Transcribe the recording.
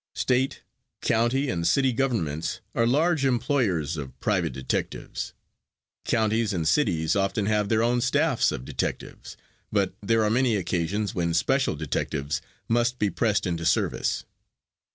State, county and city governments are large employers of private detectives. Counties and cities often have their own staffs of detectives, but there are many occasions when special detectives must be pressed into service.